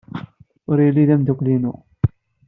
Ur yelli d ameddakel-inu.